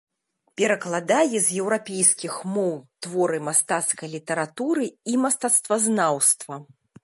Перакладае з еўрапейскіх моў творы мастацкай літаратуры і мастацтвазнаўства.